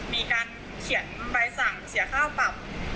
มีการเขียนใบสั่งเสียค่าปรับ